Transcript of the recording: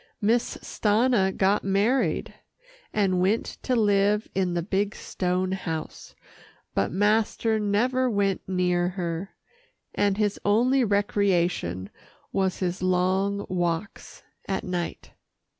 Miss Stanna got married, and went to live in the big stone house, but master never went near her, and his only recreation was his long walks at night.